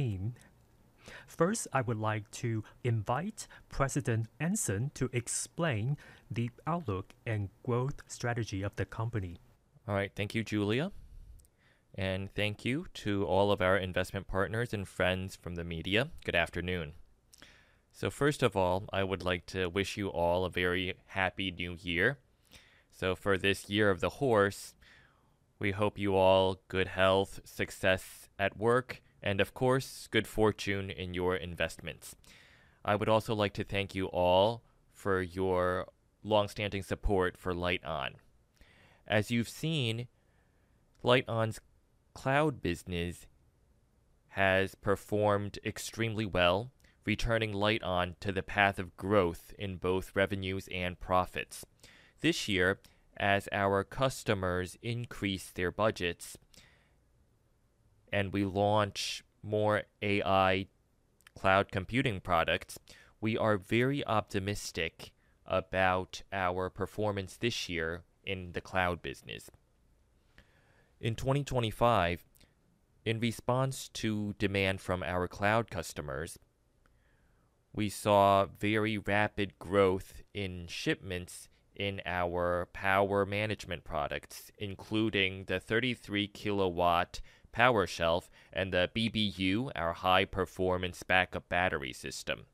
team. First, I would like to invite President Anson to explain the outlook and growth strategy of the company. All right. Thank you, Julia, and thank you to all of our investment partners and friends from the media. Good afternoon. First of all, I would like to wish you all a very happy new year. For this year of the horse, we hope you all good health, success at work, and of course, good fortune in your investments. I would also like to thank you all for your long-standing support for Lite-On. As you've seen, Lite-On's cloud business has performed extremely well, returning Lite-On to the path of growth in both revenues and profits. This year, as our customers increase their budgets and we launch more AI cloud computing products, we are very optimistic about our performance this year in the cloud business. In 2025, in response to demand from our cloud customers, we saw very rapid growth in shipments in our power management products, including the 33 kW power shelf and the BBU, our high-performance backup battery system.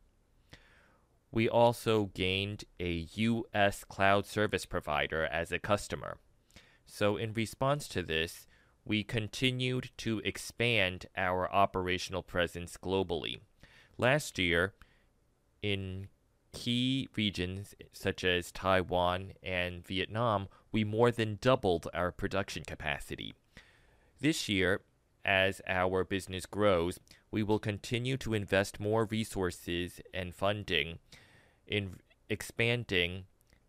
We also gained a U.S. cloud service provider as a customer. In response to this, we continued to expand our operational presence globally. Last year, in key regions such as Taiwan and Vietnam, we more than doubled our production capacity. This year, as our business grows, we will continue to invest more resources and funding in expanding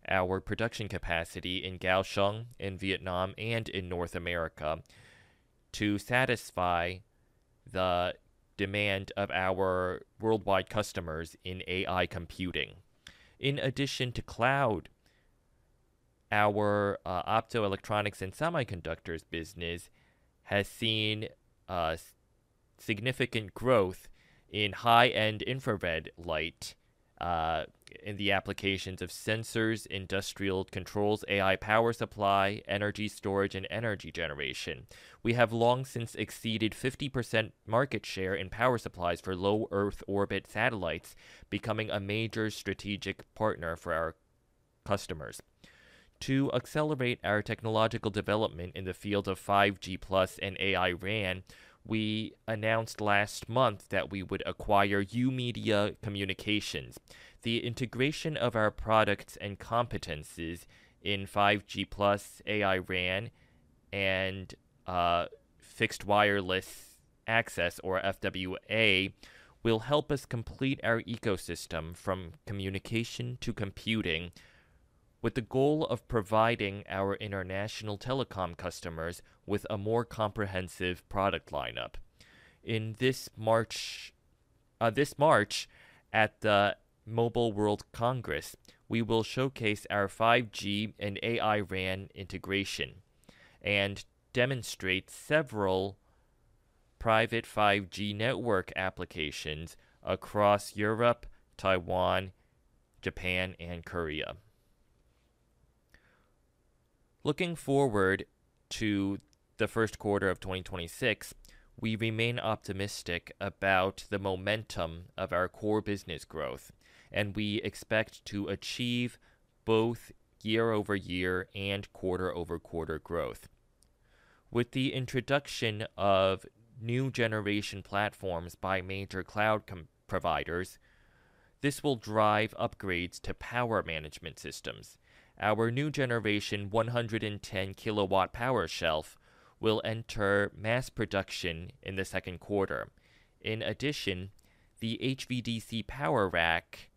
our production capacity in Kaohsiung, in Vietnam, and in North America to satisfy the demand of our worldwide customers in AI computing. In addition to cloud, our optoelectronics and semiconductors business has seen significant growth in high-end infrared light, in the applications of sensors, industrial controls, AI power supply, energy storage, and energy generation. We have long since exceeded 50% market share in power supplies for low Earth orbit satellites, becoming a major strategic partner for our customers. To accelerate our technological development in the field of 5G+ and AI RAN, we announced last month that we would acquire U-MEDIA Communications. The integration of our products and competencies in 5G+, AI RAN, and fixed wireless access or FWA will help us complete our ecosystem from communication to computing with the goal of providing our international telecom customers with a more comprehensive product lineup. In this March at the Mobile World Congress, we will showcase our 5G and AI RAN integration and demonstrate several private 5G network applications across Europe, Taiwan, Japan, and Korea. Looking forward to the first quarter of 2026, we remain optimistic about the momentum of our core business growth, and we expect to achieve both year-over-year and quarter-over-quarter growth. With the introduction of new generation platforms by major cloud providers, this will drive upgrades to power management systems. Our new generation 110kW power shelf will enter mass production in the second quarter. In addition, the HVDC power rack,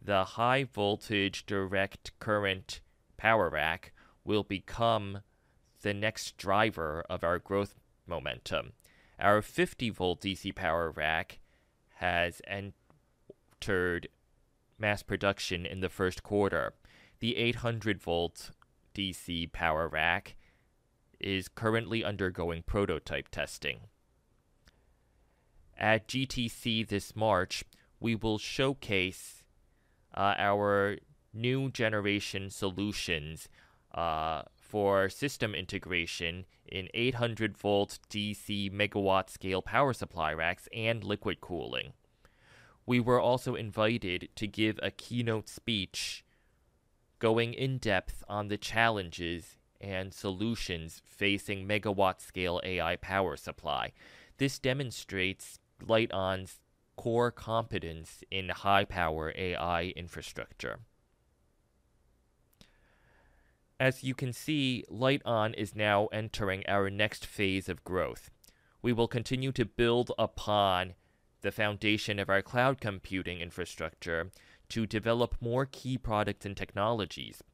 the high voltage direct current power rack, will become the next driver of our growth momentum. Our 50V DC power rack has entered mass production in the first quarter. The 800 VDC power rack is currently undergoing prototype testing. At GTC this March, we will showcase our new generation solutions for system integration in 800 VDC megawatt scale power supply racks and liquid cooling. We were also invited to give a keynote speech going in-depth on the challenges and solutions facing megawatt scale AI power supply. This demonstrates Lite-On's core competence in high-power AI infrastructure. As you can see, Lite-On is now entering our next phase of growth. We will continue to build upon the foundation of our cloud computing infrastructure to develop more key products and technologies.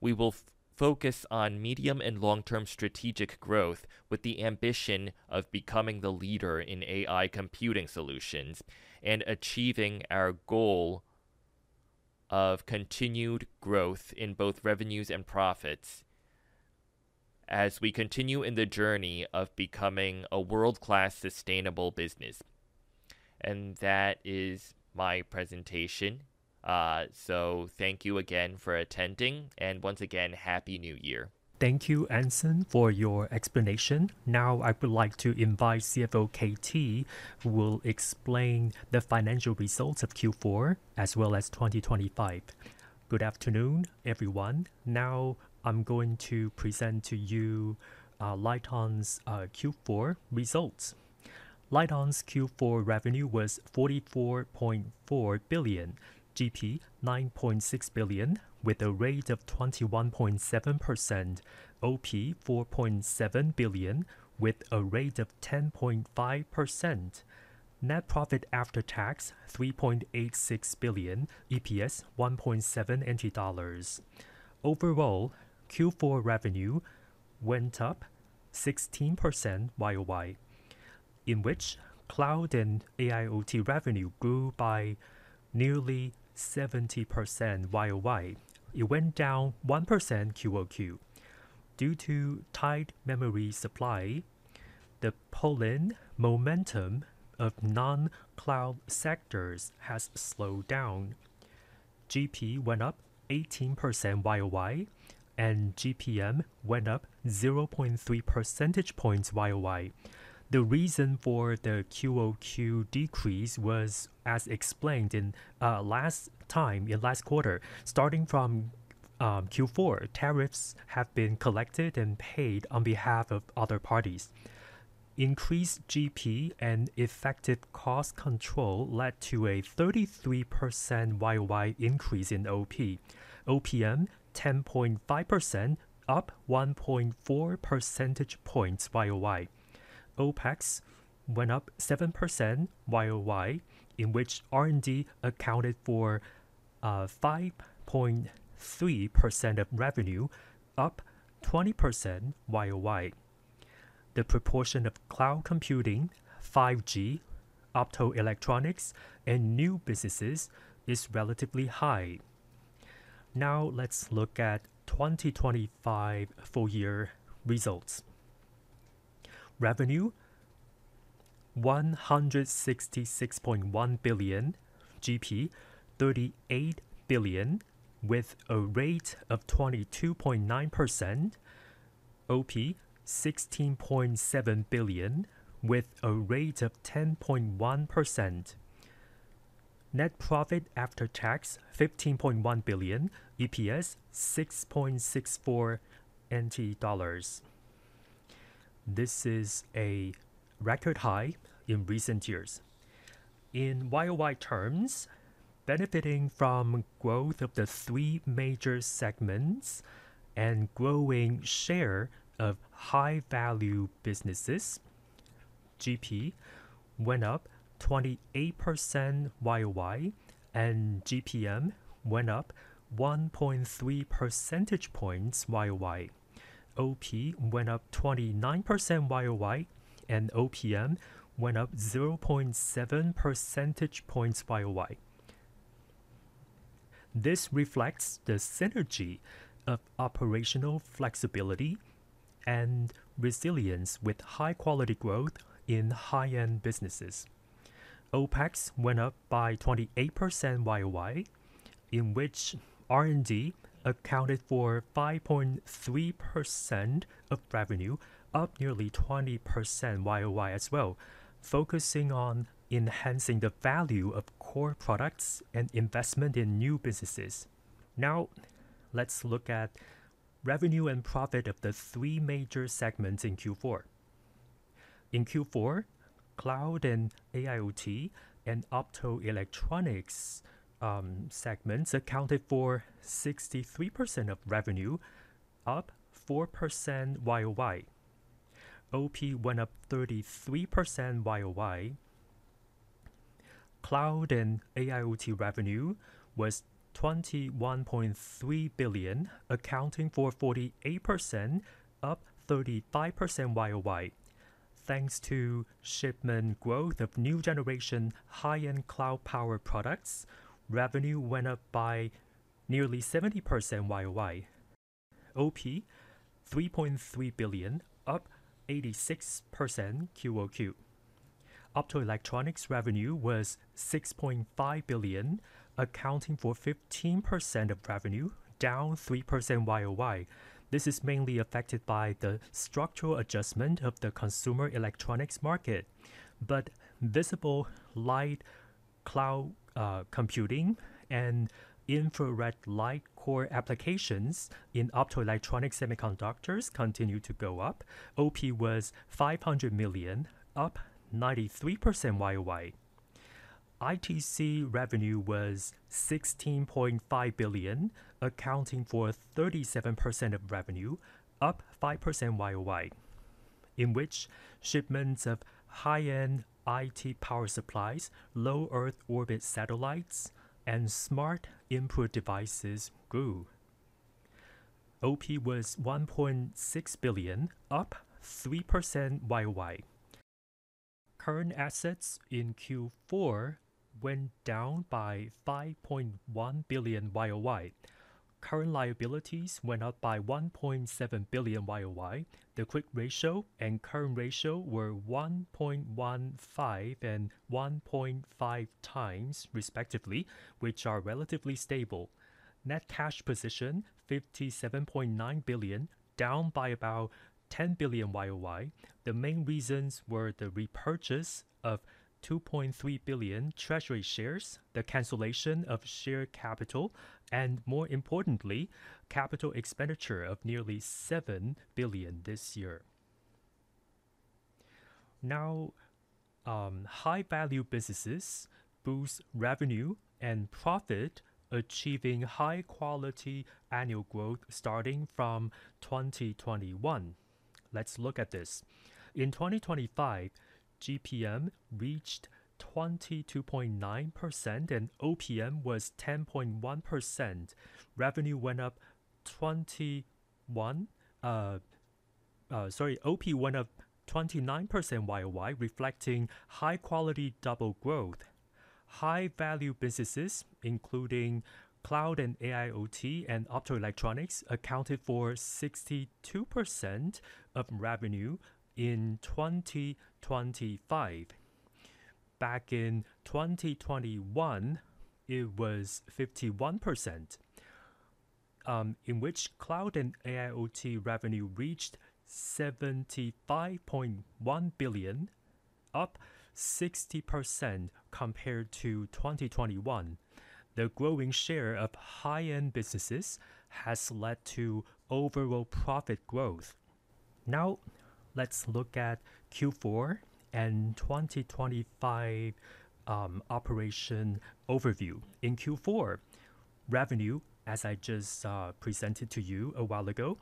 We will focus on medium and long-term strategic growth with the ambition of becoming the leader in AI computing solutions and achieving our goal of continued growth in both revenues and profits. As we continue in the journey of becoming a world-class sustainable business. That is my presentation. Thank you again for attending and once again, Happy New Year. Thank you, Anson, for your explanation. I would like to invite CFO K.T., who will explain the financial results of Q4 as well as 2025. Good afternoon, everyone. I'm going to present to you Lite-On's Q4 results. Lite-On's Q4 revenue was 44.4 billion, GP 9.6 billion with a rate of 21.7%, OP 4.7 billion with a rate of 10.5%. Net profit after tax 3.86 billion, EPS 1.7 NT dollars. Overall, Q4 revenue went up 16% YOY, in which cloud and AIoT revenue grew by nearly 70% YOY. It went down 1% QoQ. Due to tight memory supply, the pull-in momentum of non-cloud sectors has slowed down. GP went up 18% YOY, and GPM went up 0.3 percentage points YOY. The reason for the QoQ decrease was, as explained in last time, in last quarter, starting from Q4, tariffs have been collected and paid on behalf of other parties. Increased GP and effective cost control led to a 33% YOY increase in OP. OPM, 10.5%, up 1.4 percentage points YOY. OPEX went up 7% YOY, in which R&D accounted for 5.3% of revenue, up 20% YOY. The proportion of cloud computing, 5G, optoelectronic, and new businesses is relatively high. Let's look at 2025 full year results. Revenue 166.1 billion, GP 38 billion with a rate of 22.9%, OP 16.7 billion with a rate of 10.1%. Net profit after tax, 15.1 billion, EPS 6.64 NT dollars. This is a record high in recent years. In YOY terms, benefiting from growth of the three major segments and growing share of high-value businesses, GP went up 28% YOY, and GPM went up 1.3 percentage points YOY. OP went up 29% YOY, and OPM went up 0.7 percentage points YOY. This reflects the synergy of operational flexibility and resilience with high quality growth in high-end businesses. OPEX went up by 28% YOY, in which R&D accounted for 5.3% of revenue, up nearly 20% YOY as well, focusing on enhancing the value of core products and investment in new businesses. Now, let's look at revenue and profit of the three major segments in Q4. In Q4, cloud and AIoT and optoelectronics segments accounted for 63% of revenue, up 4% YOY. OP went up 33% YOY. Cloud and AIoT revenue was $21.3 billion, accounting for 48%, up 35% YOY. Thanks to shipment growth of new generation high-end cloud power products, revenue went up by nearly 70% YOY. OP $3.3 billion, up 86% QoQ. Optoelectronics revenue was $6.5 billion, accounting for 15% of revenue, down 3% YOY. This is mainly affected by the structural adjustment of the consumer electronics market. Visible light cloud computing and infrared light core applications in optoelectronic semiconductors continue to go up. OP was $500 million, up 93% YOY. ITC revenue was $16.5 billion, accounting for 37% of revenue, up 5% YOY, in which shipments of high-end IT power supplies, low Earth orbit satellites, and smart input devices grew. OP was 1.6 billion, up 3% YOY. Current assets in Q4 went down by 5.1 billion YOY. Current liabilities went up by 1.7 billion YOY. The quick ratio and current ratio were 1.15x and 1.5x respectively, which are relatively stable. Net cash position 57.9 billion, down by about 10 billion YOY. The main reasons were the repurchase of 2.3 billion treasury shares, the cancellation of share capital, and more importantly, capital expenditure of nearly 7 billion this year. High-value businesses boost revenue and profit, achieving high-quality annual growth starting from 2021. Let's look at this. In 2025, GPM reached 22.9% and OPM was 10.1%. OP went up 29% YOY, reflecting high-quality double growth. High-value businesses, including cloud and AIoT and optoelectronic, accounted for 62% of revenue in 2025. Back in 2021, it was 51%, in which cloud and AIoT revenue reached 75.1 billion, up 60% compared to 2021. The growing share of high-end businesses has led to overall profit growth. Let's look at Q4 and 2025 operation overview. In Q4, revenue, as I just presented to you a while ago,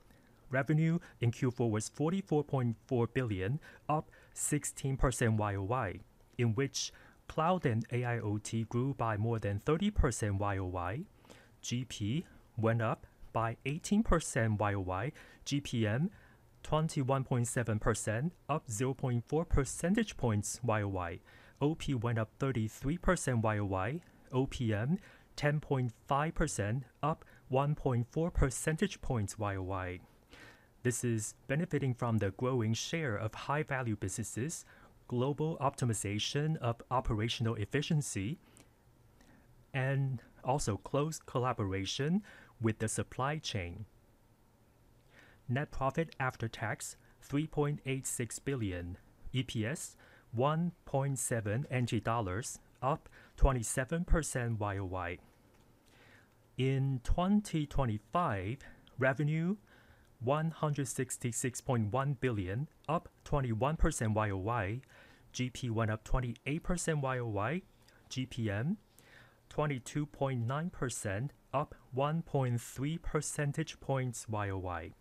revenue in Q4 was 44.4 billion, up 16% YOY, in which cloud and AIoT grew by more than 30% YOY. GP went up by 18% YOY. GPM 21.7%, up 0.4 percentage points YOY. OP went up 33% YOY. OPM 10.5%, up 1.4 percentage points YOY. This is benefiting from the growing share of high-value businesses, global optimization of operational efficiency, and also close collaboration with the supply chain. Net profit after tax 3.86 billion. EPS 1.7 dollars, up 27% YOY. In 2025, revenue 166.1 billion, up 21% YOY. GP went up 28% YOY. GPM 22.9%, up 1.3 percentage points YOY.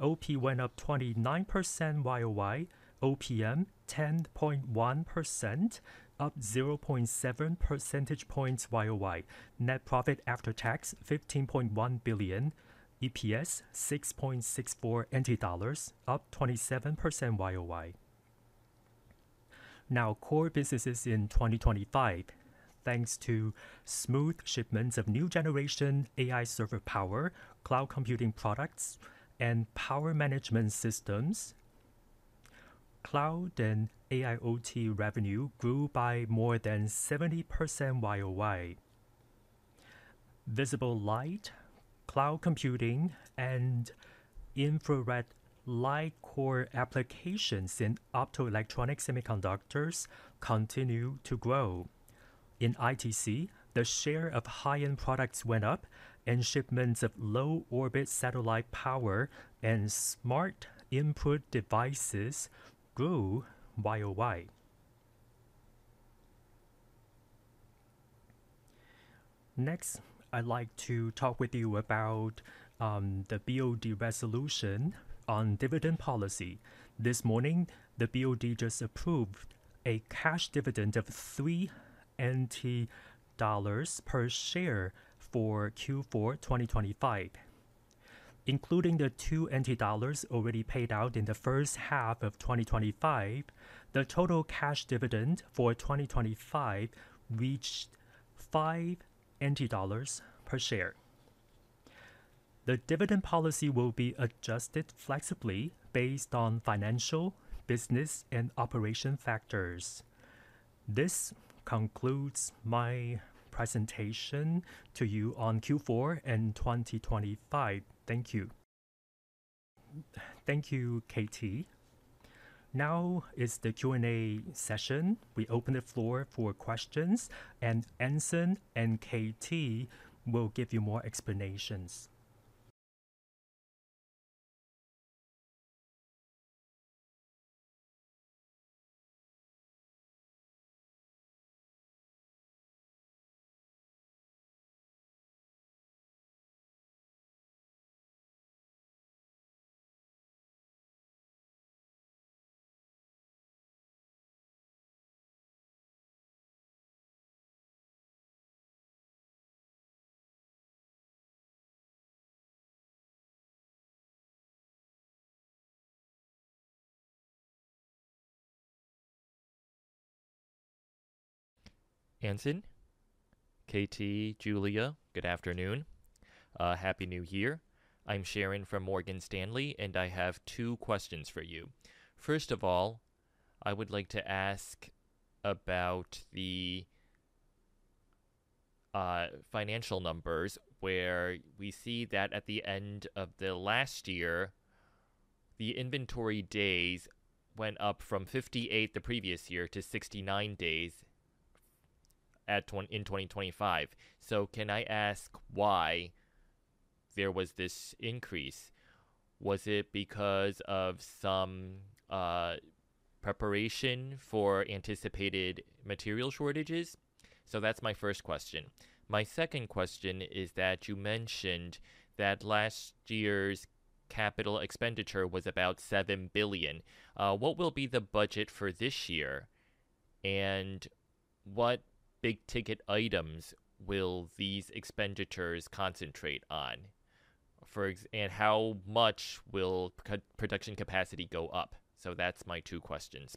OP went up 29% YOY. OPM 10.1%, up 0.7 percentage points YOY. Net profit after tax 15.1 billion. EPS 6.64 NT dollars, up 27% YOY. Core businesses in 2025. Thanks to smooth shipments of new generation AI server power, cloud computing products, and power management systems, cloud and AIoT revenue grew by more than 70% YOY. Visible light, cloud computing, and infrared light core applications in optoelectronic semiconductors continue to grow. In ITC, the share of high-end products went up, and shipments of low orbit satellite power and smart input devices grew YOY. Next, I'd like to talk with you about the BOD resolution on dividend policy. This morning, the BOD just approved a cash dividend of 3 NT dollars per share for Q4 2025. Including the 2 NT dollars already paid out in the first half of 2025, the total cash dividend for 2025 reached 5 dollars per share. The dividend policy will be adjusted flexibly based on financial, business, and operation factors. This concludes my presentation to you on Q4 and 2025. Thank you. Thank you, K.T. Now is the Q&A session. We open the floor for questions, and Anson and KT will give you more explanations. Anson, KT, Julia, good afternoon. Happy New Year. I'm Sharon from Morgan Stanley. I have two questions for you. First of all, I would like to ask about the financial numbers, where we see that at the end of the last year, the inventory days went up from 58 the previous year to 69 days in 2025. Can I ask why there was this increase? Was it because of some preparation for anticipated material shortages? That's my first question. My second question is that you mentioned that last year's capital expenditure was about 7 billion. What will be the budget for this year? What big-ticket items will these expenditures concentrate on? How much will production capacity go up? That's my two questions.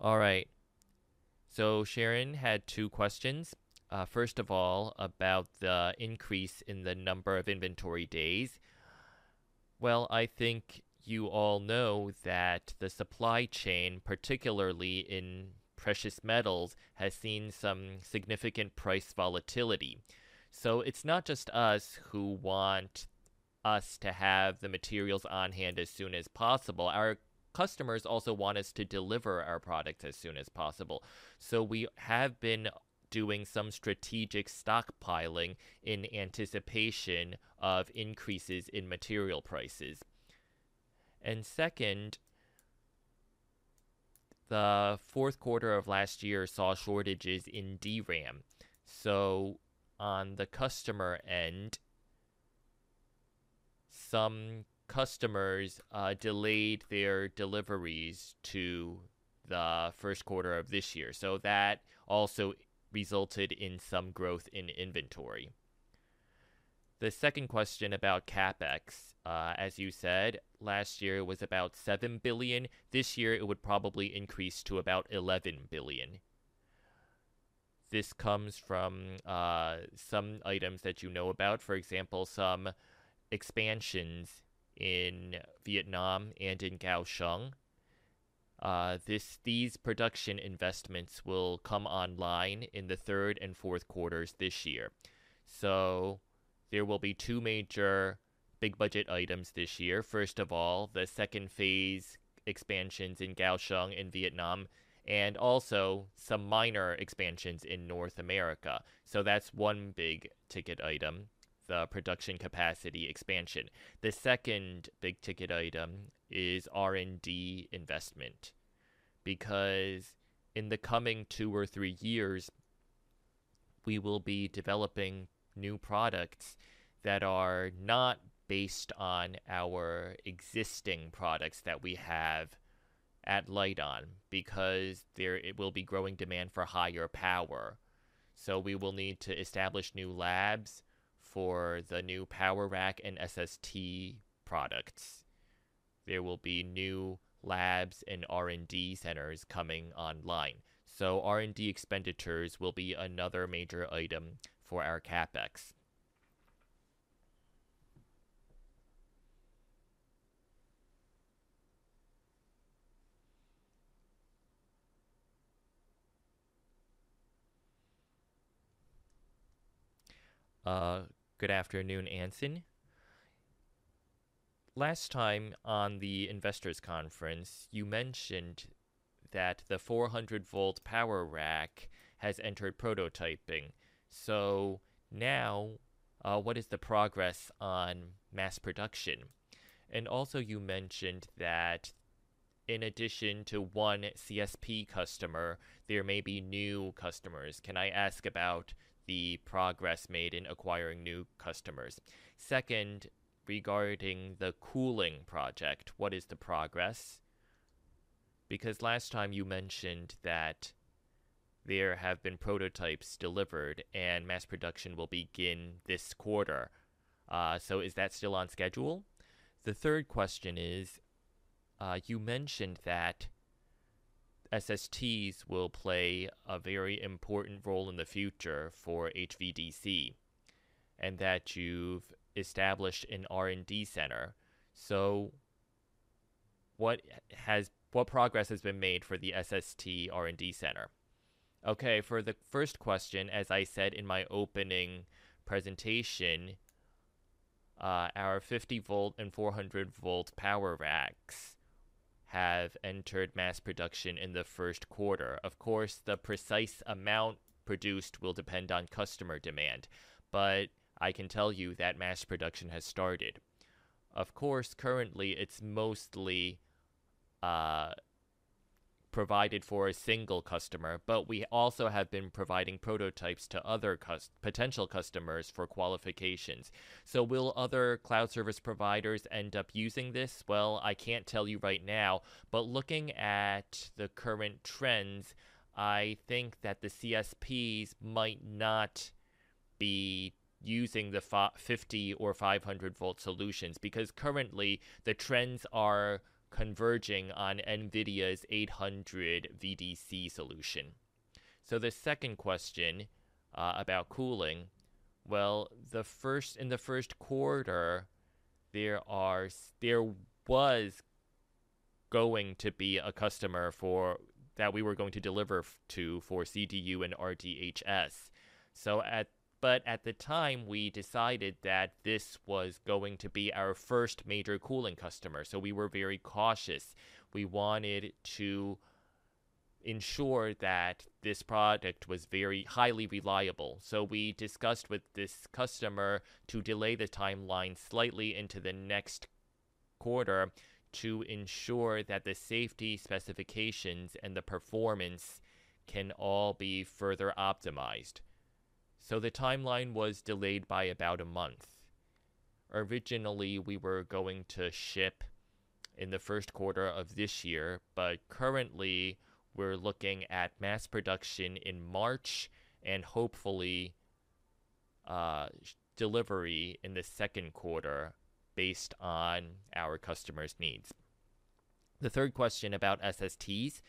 All right. Sharon had two questions. First of all, about the increase in the number of inventory days. Well, I think you all know that the supply chain, particularly in precious metals, has seen some significant price volatility. It's not just us who want us to have the materials on hand as soon as possible. Our customers also want us to deliver our product as soon as possible. We have been doing some strategic stockpiling in anticipation of increases in material prices. Second, the fourth quarter of last year saw shortages in DRAM. On the customer end, some customers delayed their deliveries to the first quarter of this year, so that also resulted in some growth in inventory. The second question about CapEx, as you said, last year was about 7 billion. This year, it would probably increase to about 11 billion. This comes from some items that you know about, for example, some expansions in Vietnam and in Kaohsiung. These production investments will come online in the third and fourth quarters this year. There will be two major big-budget items this year. First of all, the second phase expansions in Kaohsiung and Vietnam, and also some minor expansions in North America. That's one big-ticket item, the production capacity expansion. The second big-ticket item is R&D investment, because in the coming two or three years, we will be developing new products that are not based on our existing products that we have at Lite-On, because it will be growing demand for higher power. We will need to establish new labs for the new power rack and SST products. There will be new labs and R&D centers coming online. R&D expenditures will be another major item for our CapEx. Good afternoon, Anson. Last time on the investors' conference, you mentioned that the 400V power rack has entered prototyping. Now, what is the progress on mass production? Also, you mentioned that in addition to one CSP customer, there may be new customers. Can I ask about the progress made in acquiring new customers? Second, regarding the cooling project, what is the progress? Because last time you mentioned that there have been prototypes delivered and mass production will begin this quarter. Is that still on schedule? The third question is, you mentioned that SSTs will play a very important role in the future for HVDC and that you've established an R&D center. What progress has been made for the SST R&D center? Okay. For the first question, as I said in my opening presentation, our 50 volt and 400 volt power racks have entered mass production in the first quarter. Of course, the precise amount produced will depend on customer demand, but I can tell you that mass production has started. Of course, currently, it's mostly provided for a single customer, but we also have been providing prototypes to other potential customers for qualifications. Will other cloud service providers end up using this? Well, I can't tell you right now, but looking at the current trends, I think that the CSPs might not be using the 50 or 500 volt solutions, because currently the trends are converging on NVIDIA's 800 VDC solution. The second question about cooling. In the first quarter, there was going to be a customer that we were going to deliver to for CDU and RDHx. At the time, we decided that this was going to be our first major cooling customer, so we were very cautious. We wanted to ensure that this product was very highly reliable. We discussed with this customer to delay the timeline slightly into the next quarter to ensure that the safety specifications and the performance can all be further optimized. The timeline was delayed by about a month. Originally, we were going to ship in the first quarter of this year, but currently we're looking at mass production in March and hopefully, delivery in the second quarter based on our customer's needs. The third question about SSTs,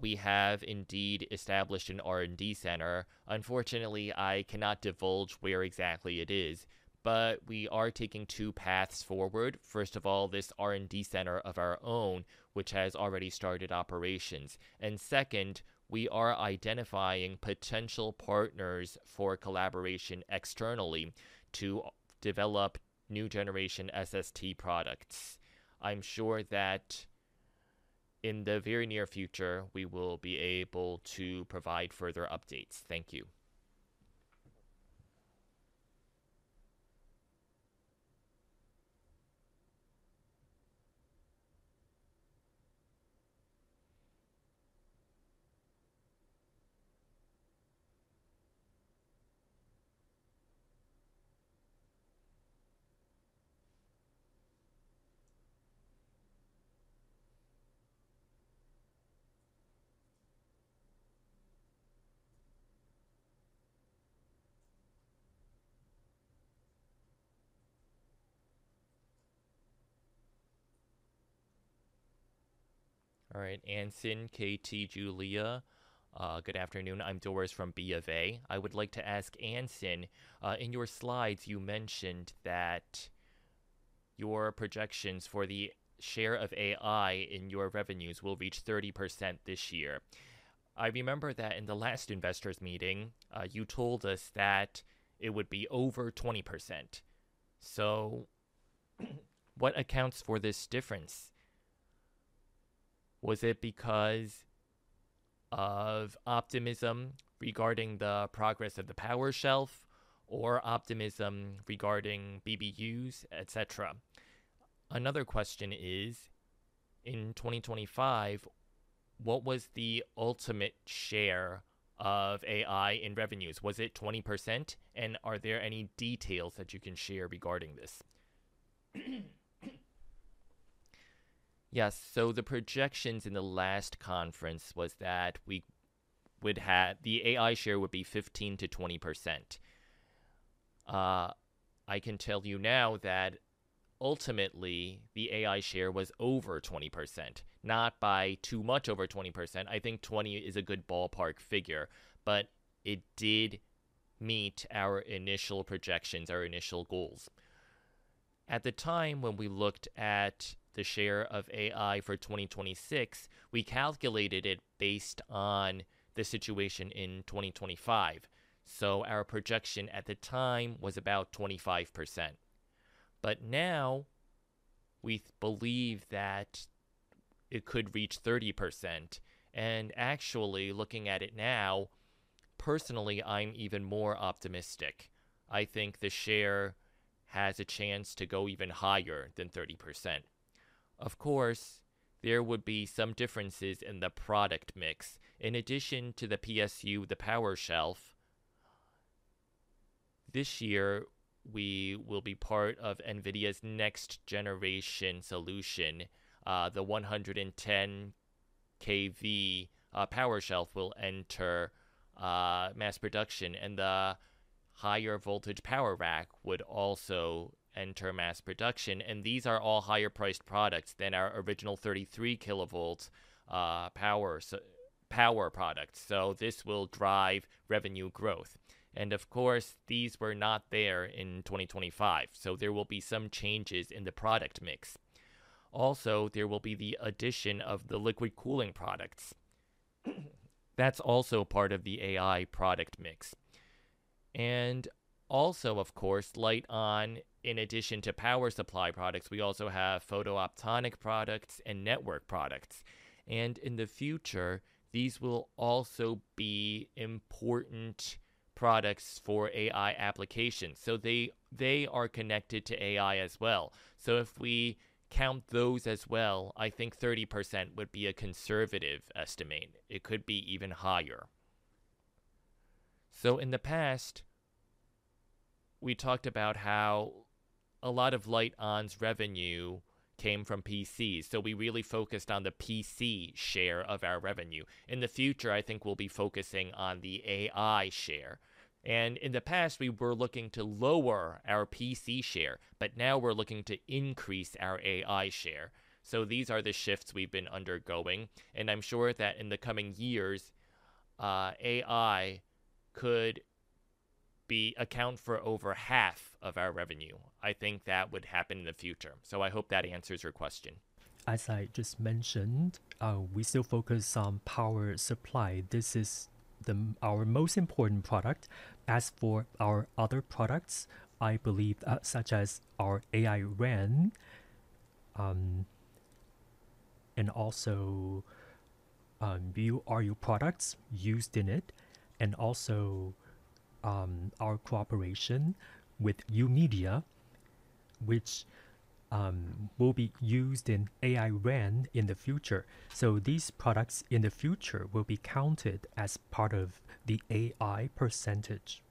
we have indeed established an R&D center. Unfortunately, I cannot divulge where exactly it is, but we are taking two paths forward. First of all, this R&D center of our own, which has already started operations, and second, we are identifying potential partners for collaboration externally to develop new generation SST products. I'm sure that in the very near future, we will be able to provide further updates. Thank you. Anson, K.T., Julia, good afternoon. I'm Doris from BofA. I would like to ask Anson, in your slides, you mentioned that your projections for the share of AI in your revenues will reach 30% this year. I remember that in the last investors meeting, you told us that it would be over 20%. What accounts for this difference? Was it because of optimism regarding the progress of the power shelf or optimism regarding BBUs, et cetera? Another question is, in 2025, what was the ultimate share of AI in revenues? Was it 20%? Are there any details that you can share regarding this? Yes. The projections in the last conference was that the AI share would be 15%-20%. I can tell you now that ultimately, the AI share was over 20%, not by too much over 20%. I think 20 is a good ballpark figure, but it did meet our initial projections, our initial goals. At the time, when we looked at the share of AI for 2026, we calculated it based on the situation in 2025. Our projection at the time was about 25%. Now, we believe that it could reach 30%. Actually, looking at it now, personally, I'm even more optimistic. I think the share has a chance to go even higher than 30%. Of course, there would be some differences in the product mix. In addition to the PSU, the power shelf, this year, we will be part of NVIDIA's next generation solution. The 110 kV power shelf will enter mass production, and the higher voltage power rack would also enter mass production. These are all higher priced products than our original 33 kV power product. This will drive revenue growth. Of course, these were not there in 2025, there will be some changes in the product mix. Also, there will be the addition of the liquid cooling products. That's also part of the AI product mix. Also, of course, Lite-On, in addition to power supply products, we also have optoelectronic products and network products. In the future, these will also be important products for AI applications. They are connected to AI as well. If we count those as well, I think 30% would be a conservative estimate. It could be even higher. In the past, we talked about how a lot of Lite-On's revenue came from PCs, so we really focused on the PC share of our revenue. In the future, I think we'll be focusing on the AI share. In the past, we were looking to lower our PC share, but now we're looking to increase our AI share. These are the shifts we've been undergoing, and I'm sure that in the coming years, AI could be account for over half of our revenue. I think that would happen in the future. I hope that answers your question. As I just mentioned, we still focus on power supply. This is our most important product. As for our other products, I believe, such as our AI RAN, and also, VRU products used in it, and also, our cooperation with U-MEDIA, which, will be used in AI RAN in the future. These products in the future will be counted as part of the AI percentage.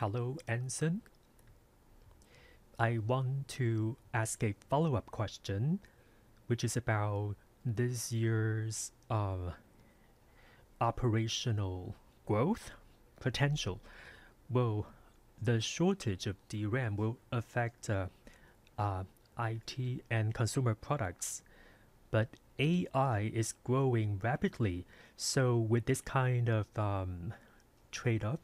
Hello, Anson. I want to ask a follow-up question, which is about this year's operational growth potential. Will the shortage of DRAM affect IT and consumer products? AI is growing rapidly, so with this kind of, trade-off,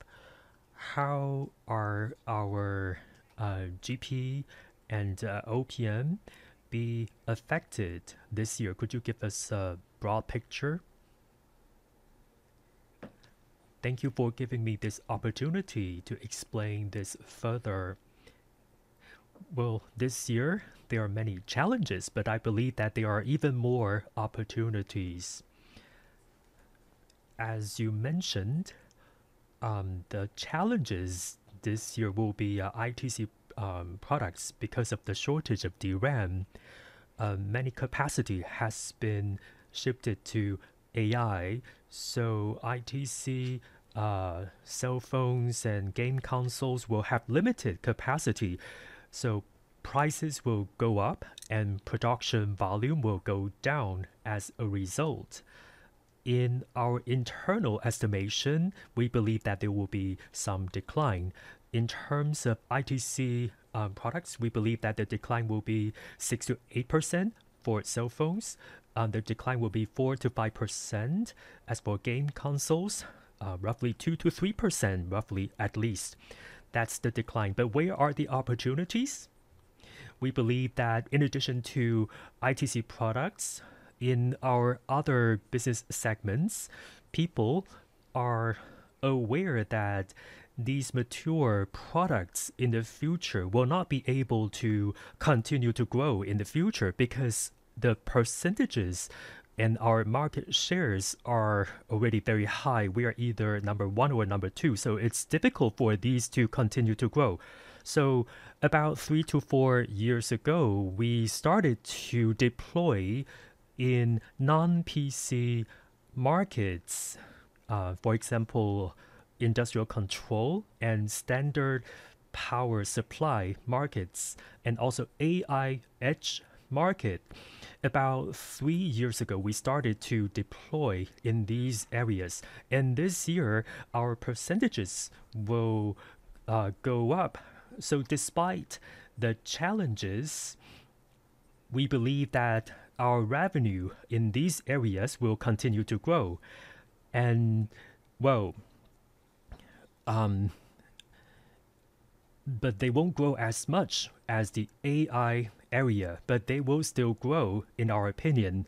how are our GP and OPM be affected this year? Could you give us a broad picture? Thank you for giving me this opportunity to explain this further. This year, there are many challenges, but I believe that there are even more opportunities. As you mentioned, the challenges this year will be ITC products because of the shortage of DRAM. Many capacity has been shifted to AI, so ITC cell phones and game consoles will have limited capacity. Prices will go up, and production volume will go down as a result. In our internal estimation, we believe that there will be some decline. In terms of ITC products, we believe that the decline will be 6%-8% for cell phones. The decline will be 4%-5%. As for game consoles, roughly 2%-3%, roughly at least. That's the decline. Where are the opportunities? We believe that in addition to ITC products, in our other business segments, people are aware that these mature products in the future will not be able to continue to grow in the future because the percentages and our market shares are already very high. We are either number one or number two, so it's difficult for these to continue to grow. About three to four years ago, we started to deploy in non-PC markets, for example, industrial control and standard power supply markets, and also AI edge market. About three years ago, we started to deploy in these areas, and this year, our percentages will go up. Despite the challenges, we believe that our revenue in these areas will continue to grow. Well, but they won't grow as much as the AI area, but they will still grow, in our opinion.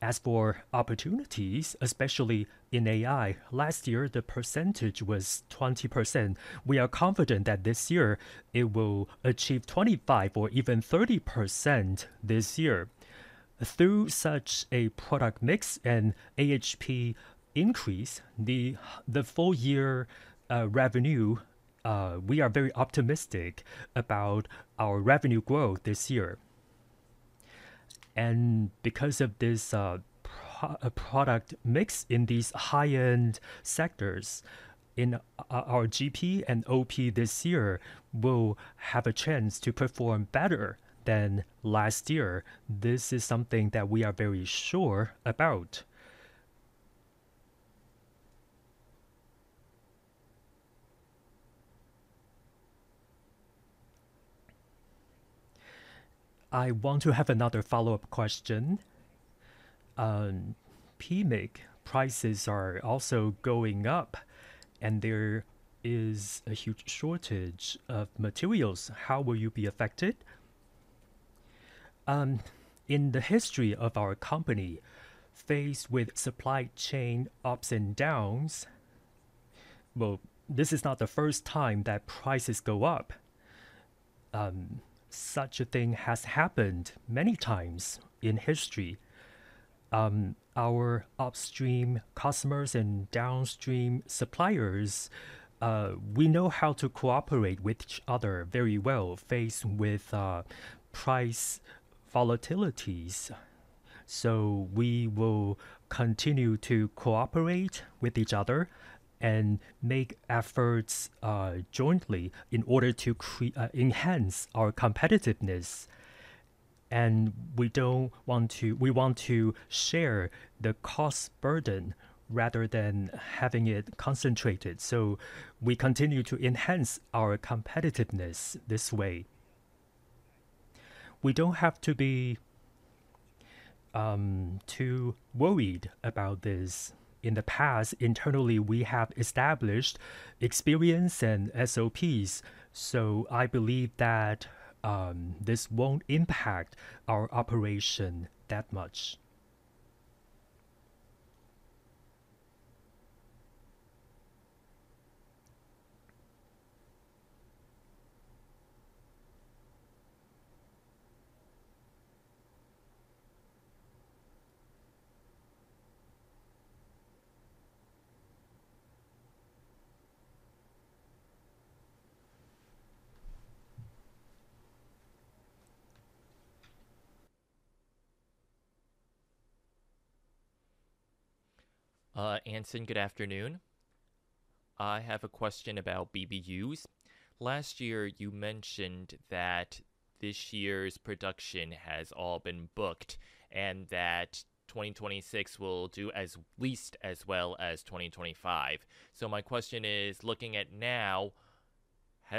As for opportunities, especially in AI, last year, the percentage was 20%. We are confident that this year it will achieve 25% or even 30% this year. Through such a product mix and ASP increase, the full year revenue, we are very optimistic about our revenue growth this year. Because of this product mix in these high-end sectors, in our GP and OP this year will have a chance to perform better than last year. This is something that we are very sure about. I want to have another follow-up question. PMIC prices are also going up, and there is a huge shortage of materials. How will you be affected? In the history of our company, faced with supply chain ups and downs, well, this is not the first time that prices go up. Such a thing has happened many times in history. Our upstream customers and downstream suppliers, we know how to cooperate with each other very well faced with price volatilities. We will continue to cooperate with each other and make efforts jointly in order to enhance our competitiveness. We want to share the cost burden rather than having it concentrated. We continue to enhance our competitiveness this way. We don't have to be too worried about this. In the past, internally, we have established experience and SOPs, so I believe that this won't impact our operation that much. Anson, good afternoon. I have a question about BBUs. Last year, you mentioned that this year's production has all been booked and that 2026 will do at least as well as 2025. My question is, looking at now,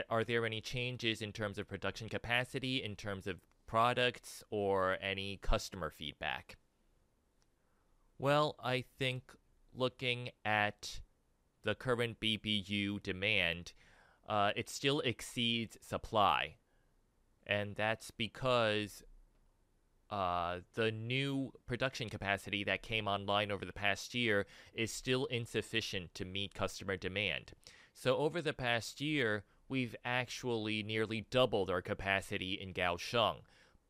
are there any changes in terms of production capacity, in terms of products, or any customer feedback? Well, I think looking at the current BBU demand, it still exceeds supply, and that's because the new production capacity that came online over the past year is still insufficient to meet customer demand. Over the past year, we've actually nearly doubled our capacity in Kaohsiung.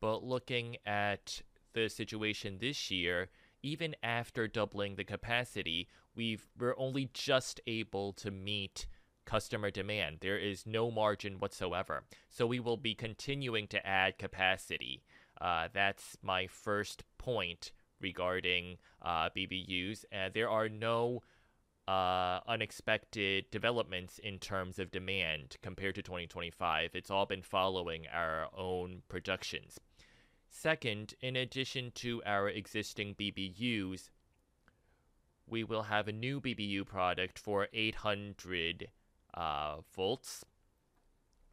Looking at the situation this year, even after doubling the capacity, we're only just able to meet customer demand. There is no margin whatsoever. We will be continuing to add capacity. That's my first point regarding BBUs. There are no unexpected developments in terms of demand compared to 2025. It's all been following our own projections. Second, in addition to our existing BBUs, we will have a new BBU product for 800 volts.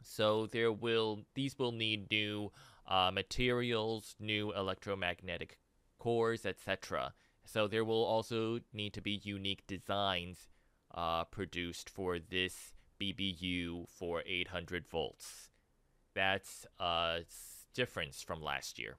These will need new materials, new electromagnetic cores, et cetera. There will also need to be unique designs produced for this BBU for 800 volts. That's a difference from last year.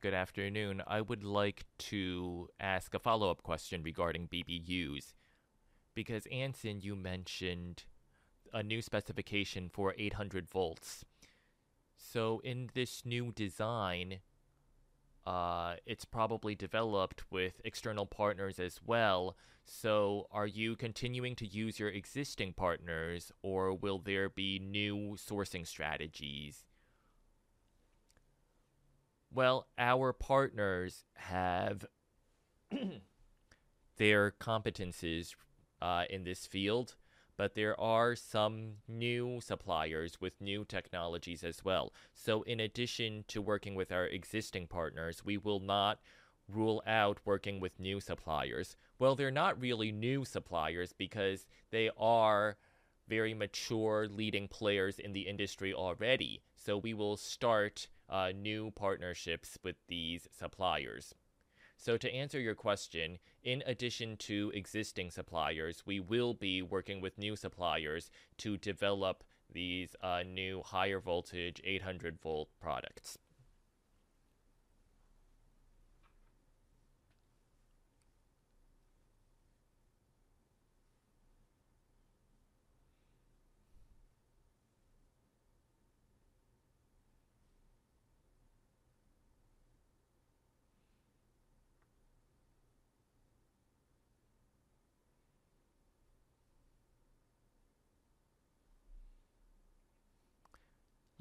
Good afternoon. I would like to ask a follow-up question regarding BBUs, because Anson, you mentioned a new specification for 800 volts. In this new design, it's probably developed with external partners as well. Are you continuing to use your existing partners, or will there be new sourcing strategies? Our partners have their competencies in this field, but there are some new suppliers with new technologies as well. In addition to working with our existing partners, we will not rule out working with new suppliers. They're not really new suppliers because they are very mature leading players in the industry already. We will start new partnerships with these suppliers. To answer your question, in addition to existing suppliers, we will be working with new suppliers to develop these new higher voltage, 800V products.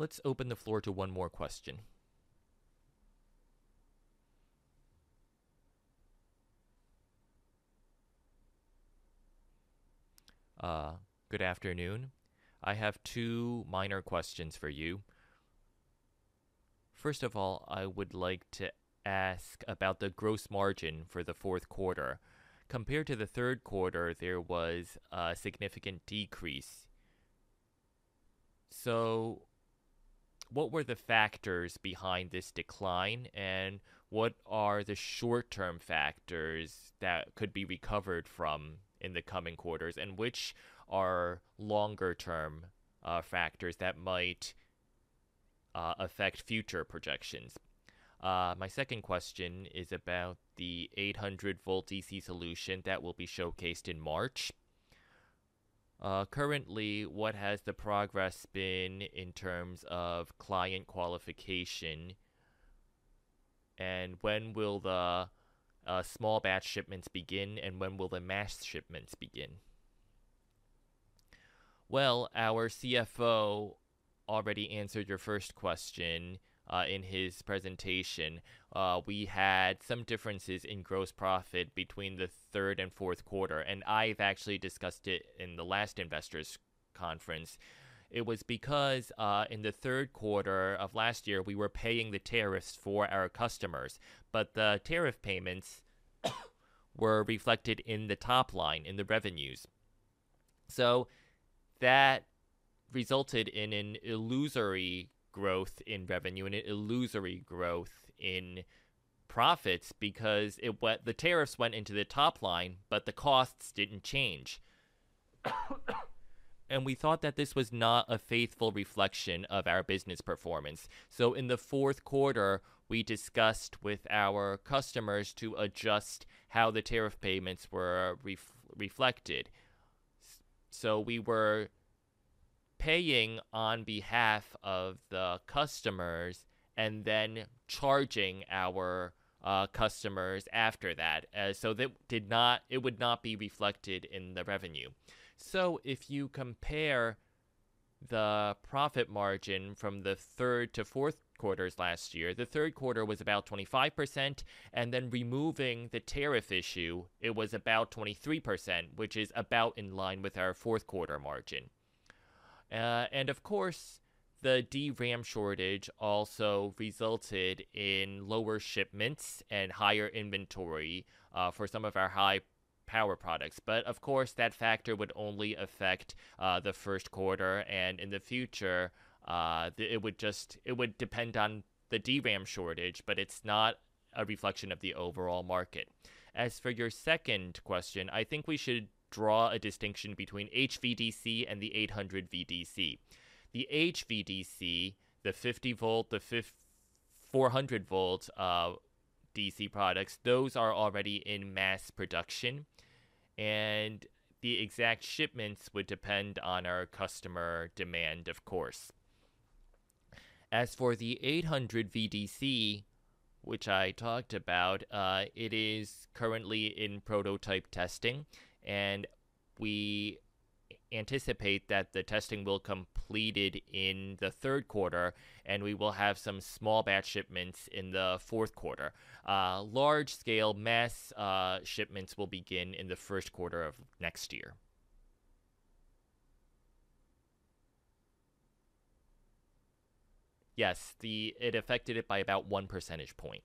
Let's open the floor to one more question. Good afternoon. I have two minor questions for you. First of all, I would like to ask about the gross margin for the fourth quarter. Compared to the third quarter, there was a significant decrease. What were the factors behind this decline? What are the short-term factors that could be recovered from in the coming quarters, and which are longer-term factors that might affect future projections? My second question is about the 800 VDC solution that will be showcased in March. Currently, what has the progress been in terms of client qualification? When will the small batch shipments begin, and when will the mass shipments begin? Our CFO already answered your first question in his presentation. We had some differences in gross profit between the third and fourth quarter, and I've actually discussed it in the last investor's conference. It was because in the third quarter of last year, we were paying the tariffs for our customers, but the tariff payments were reflected in the top line, in the revenues. That resulted in an illusory growth in revenue and an illusory growth in profits because the tariffs went into the top line, but the costs didn't change. We thought that this was not a faithful reflection of our business performance. In the fourth quarter, we discussed with our customers to adjust how the tariff payments were reflected. We were paying on behalf of the customers and then charging our customers after that. It would not be reflected in the revenue. If you compare the profit margin from the third to fourth quarters last year, the third quarter was about 25%, and then removing the tariff issue, it was about 23%, which is about in line with our fourth quarter margin. Of course, the DRAM shortage also resulted in lower shipments and higher inventory for some of our high power products. Of course, that factor would only affect the first quarter, and in the future, it would depend on the DRAM shortage, but it's not a reflection of the overall market. As for your second question, I think we should draw a distinction between HVDC and the 800 VDC. The HVDC, the 50V DC, the 400V DC products, those are already in mass production, and the exact shipments would depend on our customer demand, of course. As for the 800 VDC, which I talked about, it is currently in prototype testing, and we anticipate that the testing will completed in the third quarter, and we will have some small batch shipments in the fourth quarter. Large scale mass shipments will begin in the first quarter of next year. Yes, it affected by about 1 percentage point.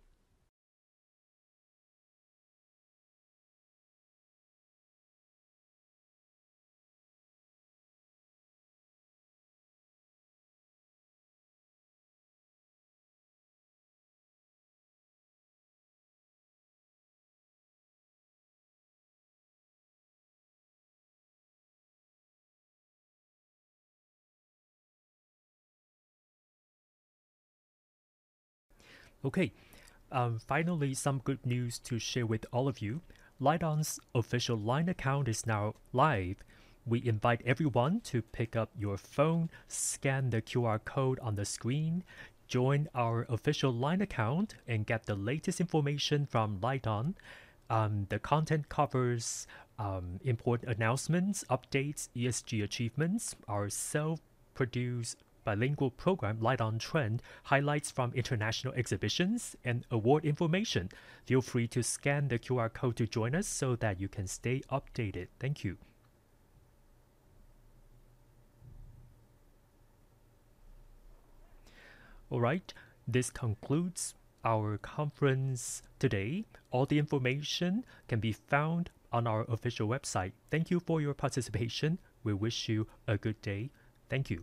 Okay. Finally, some good news to share with all of you. Lite-On's official LINE account is now live. We invite everyone to pick up your phone, scan the QR code on the screen, join our official LINE account, and get the latest information from Lite-On. The content covers important announcements, updates, ESG achievements, our self-produced bilingual program, Lite-On Trend, highlights from international exhibitions, and award information. Feel free to scan the QR code to join us so that you can stay updated. Thank you. All right. This concludes our conference today. All the information can be found on our official website. Thank you for your participation. We wish you a good day. Thank you.